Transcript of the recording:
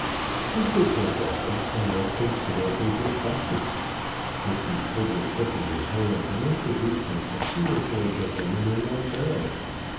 He did go down, and was considerably disgusted. Mr. Trigger took him in hand and introduced him to three or four gentlemen in the borough.